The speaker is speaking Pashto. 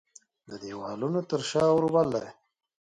د دیوالونو تر شا اوربل دی